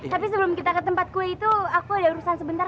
tapi sebelum kita ke tempat kue itu aku ada urusan sebentar